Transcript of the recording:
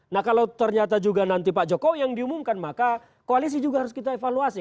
nah kalau ternyata juga nanti pak jokowi yang diumumkan maka koalisi juga harus kita evaluasi